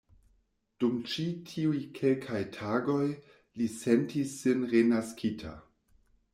Dum ĉi tiuj kelkaj tagoj li sentis sin renaskita.